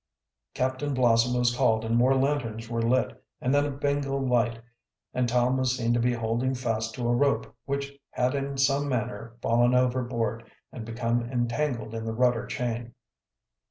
Captain Blossom was called and more lanterns were lit, and then a Bengal light, and Tom was seen to be holding fast to a rope which had in some manner fallen overboard and become entangled in the rudder chain.